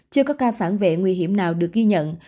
chưa có ca phản vệ nguy hiểm nào được ghi nhận